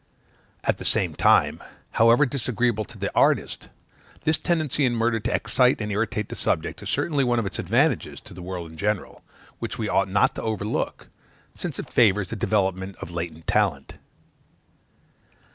At the same time, however disagreeable to the artist, this tendency in murder to excite and irritate the subject, is certainly one of its advantages to the world in general, which we ought not to overlook, since it favors the development of latent talent.